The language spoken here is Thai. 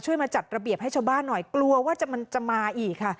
มาจัดระเบียบให้ชาวบ้านหน่อยกลัวว่ามันจะมาอีกค่ะ